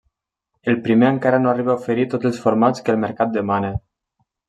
El primer encara no arriba a oferir tots els formats que el mercat demana.